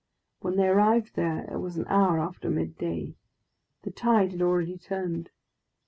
When they arrived there, it was an hour after midday. The tide had already turned.